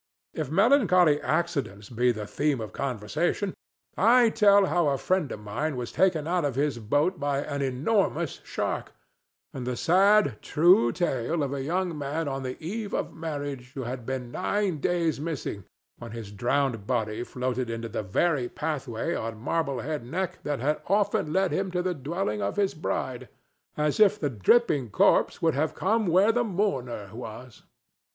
If melancholy accidents be the theme of conversation, I tell how a friend of mine was taken out of his boat by an enormous shark, and the sad, true tale of a young man on the eve of marriage who had been nine days missing, when his drowned body floated into the very pathway on Marble head Neck that had often led him to the dwelling of his bride, as if the dripping corpse would have come where the mourner was.